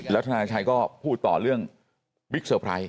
ธนาชัยก็พูดต่อเรื่องบิ๊กเซอร์ไพรส์